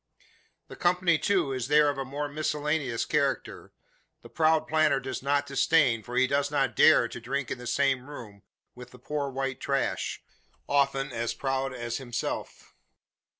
The company, too, is there of a more miscellaneous character. The proud planter does not disdain for he does not dare to drink in the same room with the "poor white trash;" often as proud as himself.